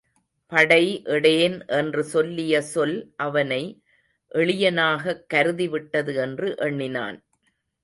படை எடேன் என்று சொல்லிய சொல் அவனை எளியனாகக் கருதிவிட்டது என்று எண்ணினான்.